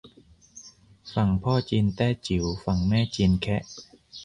ฝั่งพ่อจีนแต้จิ๋ว ฝั่งแม่จีนแคะ